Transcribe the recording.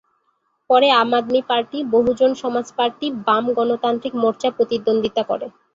পরে Aam Aadmi Party, Bahujan Samaj Party, বাম-গণতান্ত্রিক মোর্চা প্রতিদ্বন্দ্বিতা করে।